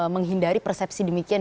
menghindari persepsi demikian